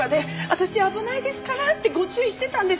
私「危ないですから」ってご注意してたんです。